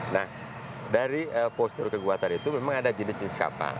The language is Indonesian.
nah dari postur kekuatan itu memang ada jenis jenis kapal